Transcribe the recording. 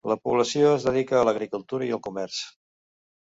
La població es dedica a l'agricultura i el comerç.